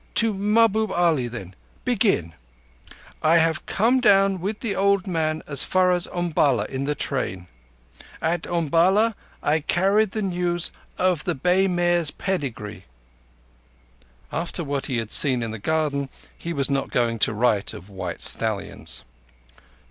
To Mahbub Ali then. Begin! _I have come down with the old man as far as Umballa in the train. At Umballa I carried the news of the bay mare's pedigree._" After what he had seen in the garden, he was not going to write of white stallions.